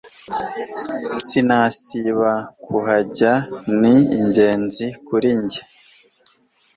Sinasiba kuhajya ni ingenzi kuri nge